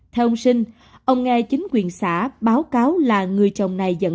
theo ông sinh ông nghe chính quyền xã báo cáo là người chồng này dẫn